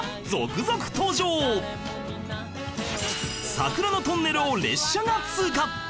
桜のトンネルを列車が通過